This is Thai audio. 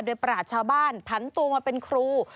โดยปราศชาวบ้านผันตัวมาเป็นครู